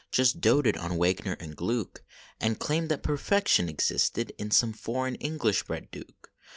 Just doted on Wagner and (duck ; And claimed that perfection existed In some foreign English bred duke.